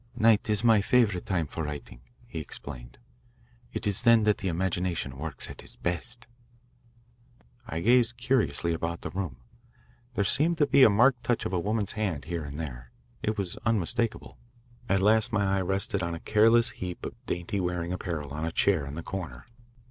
"Night is my favourite time for writing," he explained. "It is then that the imagination works at its best." I gazed curiously about the room. There seemed to be a marked touch of a woman's hand here and there; it was unmistakable. At last my eye rested on a careless heap of dainty wearing apparel on a chair in the corner.